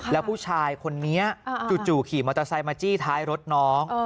แล้วผู้ชายคนนี้จู่ขี่มอเตอร์ไซค์มาจี้ท้ายรถน้อง